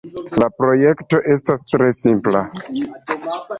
La projekto estas tre simpla.